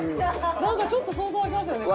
なんかちょっと想像湧きますよね。